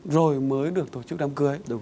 rồi mới được tổ chức đám cưới